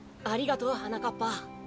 ありがとうはなかっぱ。